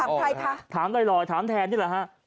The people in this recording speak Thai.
ใครคะถามลอยถามแทนนี่แหละฮะ